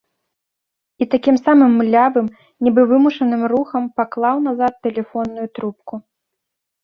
І такім самым млявым, нібы вымушаным рухам паклаў назад тэлефонную трубку.